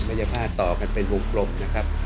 มันจะผ้าต่อกันเป็นกลมนะครับ